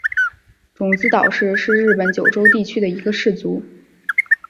种子岛氏是日本九州地区的一个氏族。